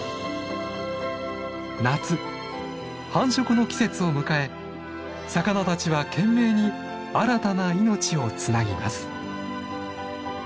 夏繁殖の季節を迎え魚たちは懸命に新たな命をつなぎます。